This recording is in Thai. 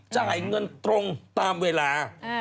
จ่ายเงินตรงตามเวลา